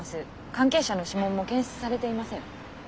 関係者の指紋も検出されていません。